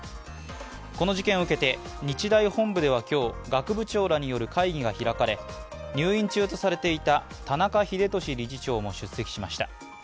この事件を受けて日大本部では今日、学部長らによる会議が開かれ入院中とされていた田中英壽理事長も出席しました。